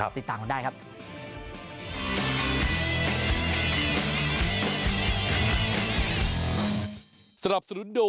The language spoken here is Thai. ติดตามกันได้ครับ